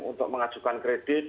untuk mengajukan kredit